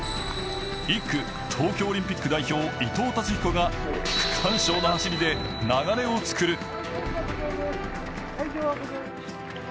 １区、東京オリンピック代表、伊藤達彦が区間賞の走りで流れを作る。